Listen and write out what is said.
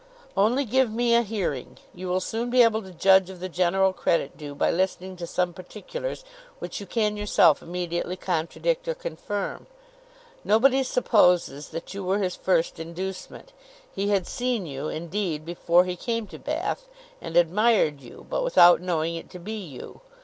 "Only give me a hearing. You will soon be able to judge of the general credit due, by listening to some particulars which you can yourself immediately contradict or confirm. Nobody supposes that you were his first inducement. He had seen you indeed, before he came to Bath, and admired you, but without knowing it to be you.